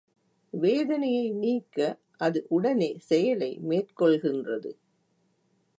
வேதனையை நீக்க அது உடனே செயலை மேற்கொள்கின்றது.